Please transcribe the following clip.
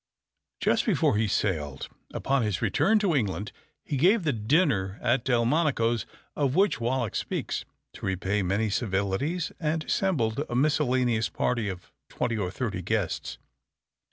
Just before he sailed upon his return to England he gave the dinner at Delmonico's of which Wallack speaks, to repay many civilities, and assembled a miscellaneous party of twenty or thirty guests.